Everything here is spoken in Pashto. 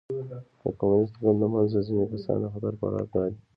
د کمونېست ګوند له منځه ځیني کسان د خطر په اړه اګاه دي.